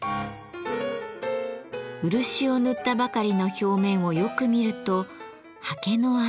漆を塗ったばかりの表面をよく見ると刷毛の跡が。